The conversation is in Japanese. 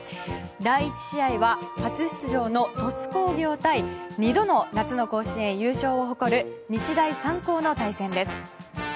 第１試合は初出場の鳥栖工業対２度の夏の甲子園優勝を誇る日大三高の対戦です。